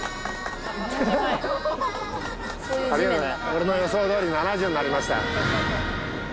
俺の予想どおり７０になりました。